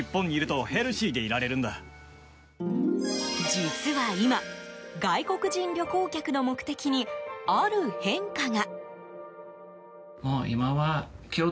実は今、外国人旅行客の目的にある変化が。